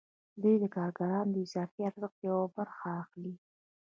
دوی د کارګرانو د اضافي ارزښت یوه برخه اخلي